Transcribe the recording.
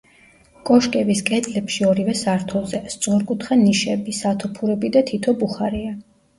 კოშკების კედლებში, ორივე სართულზე, სწორკუთხა ნიშები, სათოფურები და თითო ბუხარია.